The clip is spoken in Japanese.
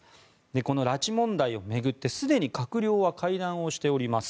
この拉致問題を巡って、すでに閣僚は会談をしております。